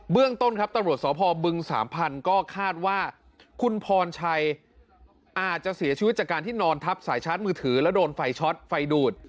เรื่องต้นครับตำรวจสพบึงสามพันธุ์ก็คาดว่าคุณพรชัยอาจจะเสียชีวิตจากการที่นอนทับสายชาร์จมือถือแล้วโดนไฟช็อตไฟดูด